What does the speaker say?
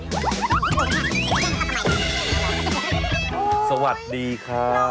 สวัสดีค่ะน้องสเกลสวัสดีค่ะ